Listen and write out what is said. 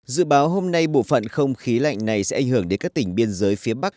dự báo hôm nay bộ phận không khí lạnh này sẽ ảnh hưởng đến các tỉnh biên giới phía bắc